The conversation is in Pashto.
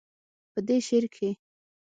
پۀ دې شعر کښې